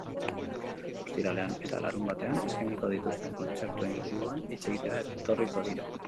Ostiralean eta larunbatean eskainiko dituzten kontzertuen inguruan hitz egitera etorriko dira.